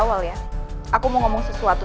wah yangsanya parah gitu anda